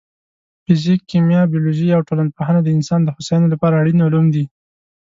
فزیک، کیمیا، بیولوژي او ټولنپوهنه د انسان د هوساینې لپاره اړین علوم دي.